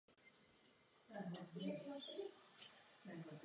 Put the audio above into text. Film je natočený na motivy komiksové předlohy.